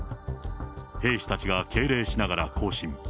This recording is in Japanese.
兵士たちが敬礼しながら行進。